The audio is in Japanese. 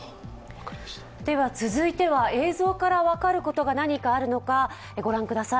続いては映像から分かることが何かあるのか御覧ください。